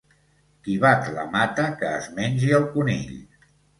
Qui bat la mata, que es mengi el conill.